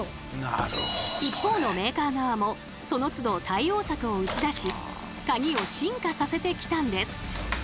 一方のメーカー側もそのつど対応策を打ち出しカギを進化させてきたんです。